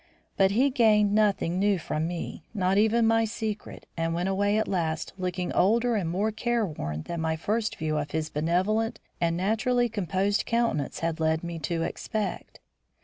But he gained nothing new from me, not even my secret, and went away at last, looking older and more careworn than my first view of his benevolent and naturally composed countenance had led me to expect.